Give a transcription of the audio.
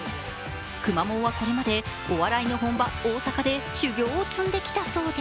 くまモンはこれまでお笑いの本場、大阪で修行を積んできたそうで